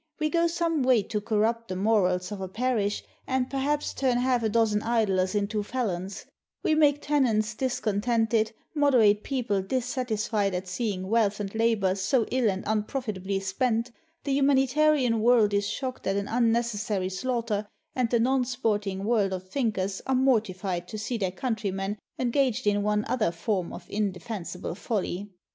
We go some way to corrupt the morals of a parish, and perhaps turn half a dozen idlers into felons; we make tenants dis contented, moderate people dissatisfied at seeing wealth and labor so ill and unprofitably spent, the humanita rian world is shocked at an unnecessary slaughter, and the non sporting world of thinkers are mortified to see their countrymen engaged in one other form of inde fensible folly.